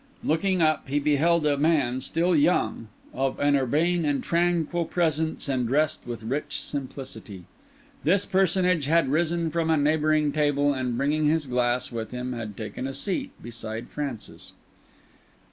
Looking up, he beheld a man, still young, of an urbane and tranquil presence, and dressed with rich simplicity. This personage had risen from a neighbouring table, and, bringing his glass with him, had taken a seat beside Francis.